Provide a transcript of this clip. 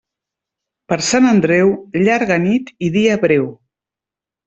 Per Sant Andreu, llarga nit i dia breu.